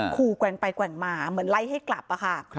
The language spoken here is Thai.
แกว่งไปแกว่งมาเหมือนไล่ให้กลับอะค่ะ